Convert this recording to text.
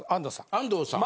安藤さん。